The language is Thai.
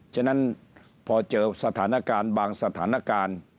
ฉะนั้นพอเจอสถานการณ์บางสถานการณ์